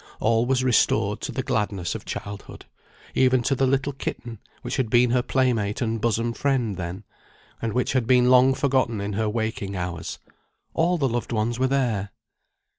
All was restored to the gladness of childhood, even to the little kitten which had been her playmate and bosom friend then, and which had been long forgotten in her waking hours. All the loved ones were there!